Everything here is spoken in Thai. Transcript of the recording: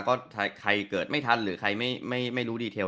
ก็ใครเกิดไม่ทันหรือใครไม่รู้ดีเทล